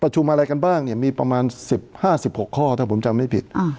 อะไรกันบ้างเนี่ยมีประมาณ๑๕๑๖ข้อถ้าผมจำไม่ผิด